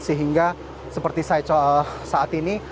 sehingga seperti saya saat ini